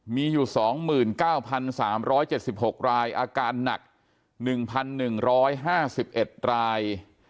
มีอยู่๒๙๓๗๖รายอาการหนัก๑๑๕๑ราย